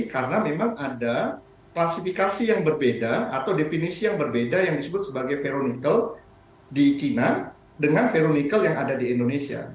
karena memang ada klasifikasi yang berbeda atau definisi yang berbeda yang disebut sebagai veronical di china dengan veronical yang ada di indonesia